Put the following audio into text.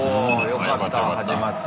よかったよかった。